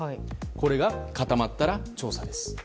これが固まったら調査です。